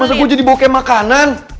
masa gue jadi bau kayak makanan